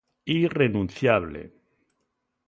¡Irrenunciable!